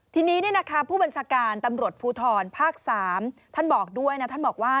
ทีนี้ผู้บัญชาการตำรวจภูทรภาค๓ท่านบอกด้วยนะท่านบอกว่า